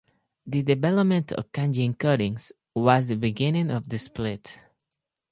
The development of kanji encodings was the beginning of the split.